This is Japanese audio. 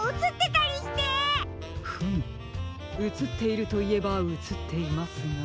フムうつっているといえばうつっていますが。